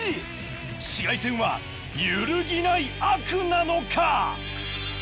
紫外線は揺るぎない「悪」なのか？